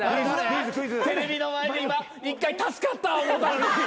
テレビの前で今一回助かった思うたのに。